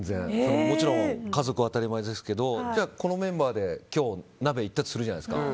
もちろん家族は当たり前ですけどこのメンバーで例えば今日鍋に行ったとするじゃないですか。